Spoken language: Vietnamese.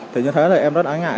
thì như thế là em rất ái ngại